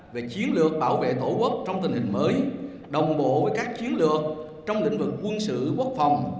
về chiến lược bảo vệ tổ quốc trong tình hình mới đồng bộ với các chiến lược trong lĩnh vực quân sự quốc phòng